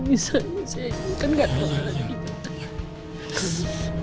bisa ibu saya kan gak tahu lagi